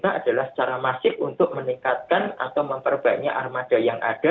kita adalah secara masif untuk meningkatkan atau memperbanyak armada yang ada